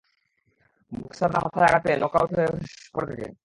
বক্সাররা মাথায় আঘাত পেয়ে নক আউট হয়ে পড়ে থাকে।